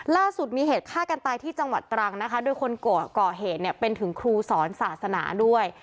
ล่าสุดมีเหตุฆ่ากันตายที่จังหวัดตรังนะคะโดยคนก่อเหตุเนี่ยเป็นถึงครูสอนศาสนาด้วย